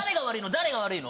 誰が悪いの？